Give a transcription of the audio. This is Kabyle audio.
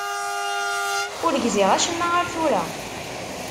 Ur gziɣ acemma ar tura.